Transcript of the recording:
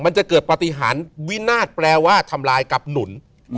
มันจะเกิดปฏิหารวินาศแปลว่าทำลายกับหนุน